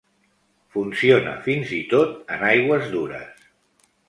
Funciona fins i tot en aigües dures.